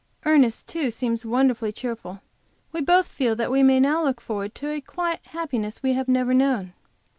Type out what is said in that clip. Ernest, too, seems wonderfully cheerful, and we both feel that we may now look forward to a quiet happiness we have never known.